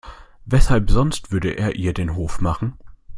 Weshalb sonst würde er ihr den Hof machen?